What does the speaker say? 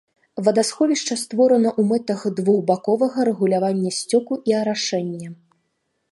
Вадасховішча створана ў мэтах двухбаковага рэгулявання сцёку і арашэння.